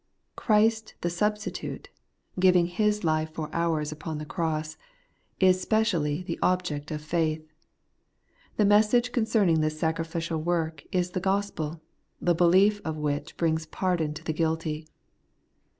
Christ the substitute, giving His life for ours upon the cross, is specially the object of faith. The mes sage concerning this sacrificial work is the gospel, the belief of which brings pardon to the guilty.